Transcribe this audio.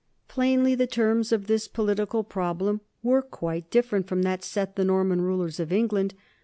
Plainly the terms of this political problem were quite different from that set the Norman rulers of England.